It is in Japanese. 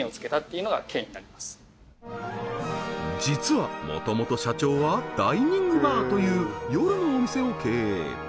実はもともと社長はダイニングバーという夜のお店を経営